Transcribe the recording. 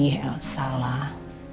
kamu harus lebih menghargai elsa lah